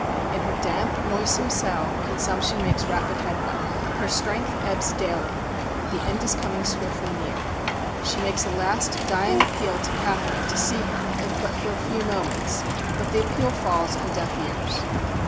In her damp, noisome cell consumption makes rapid headway. Her strength ebbs daily; the end is coming swiftly near. She makes a last dying appeal to Catherine to see her if but for a few moments, but the appeal falls on deaf ears.